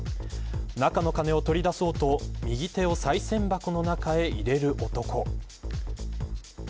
中の金を取り出そうと右手をさい銭箱の中へ入れる男。